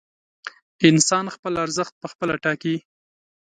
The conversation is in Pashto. انسان خپل ارزښت پخپله ټاکي.